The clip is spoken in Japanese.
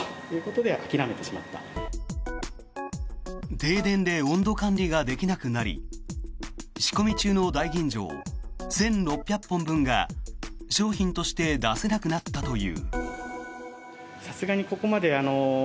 停電で温度管理ができなくなり仕込み中の大吟醸１６００本分が商品として出せなくなったという。